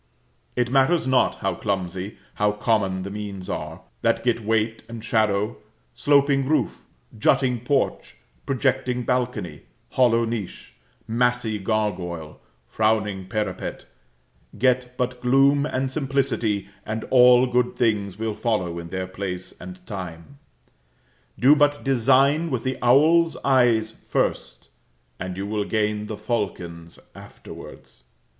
It matters not how clumsy, how common, the means are, that get weight and shadow sloping roof, jutting porch, projecting balcony, hollow niche, massy gargoyle, frowning parapet; get but gloom and simplicity, and all good things will follow in their place and time; do but design with the owl's eyes first, and you will gain the falcon's afterwards.